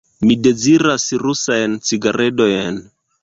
Mi deziras rusajn cigaredojn.